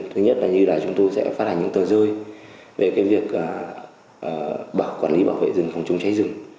thứ nhất là như là chúng tôi sẽ phát hành những tờ rơi về việc quản lý bảo vệ rừng phòng chống cháy rừng